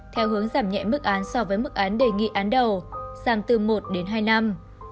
theo hướng giảm nhẹ mức án so với mức án đề nghị án đầu giảm từ một đến hai năm